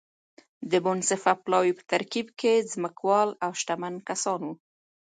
د منصفه پلاوي په ترکیب کې ځمکوال او شتمن کسان وو.